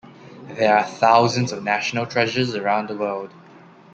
There are thousands of national treasures around the world.